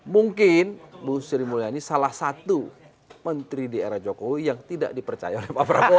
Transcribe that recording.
mungkin bu sri mulyani salah satu menteri di era jokowi yang tidak dipercaya oleh pak prabowo